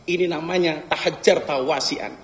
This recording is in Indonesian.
ini namanya tahajjar tawasi an